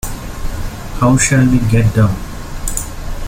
How shall we get down?